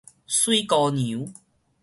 媠姑娘